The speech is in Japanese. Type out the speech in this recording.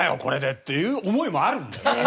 これでっていう思いもあるんだよ。